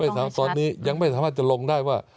ตอนนี้ยังไม่สามารถจะลงได้ว่า